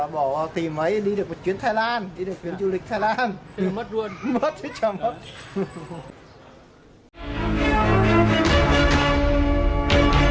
bỏ tỷ mấy đi được một chuyến thái lan đi được chuyến du lịch thái lan